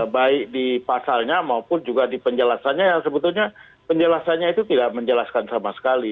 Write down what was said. baik di pasalnya maupun juga di penjelasannya sebetulnya penjelasannya itu tidak menjelaskan sama sekali